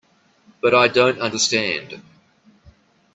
But I don't understand.